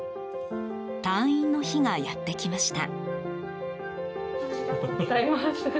退院の日がやってきました。